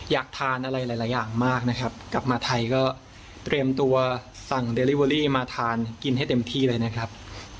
อยากทานอะไรหลายอย่างมากนะครับกลับมาไทยก็เตรียมตัวสั่งเดลิเวอรี่มาทานกินให้เต็มที่เลยนะครับ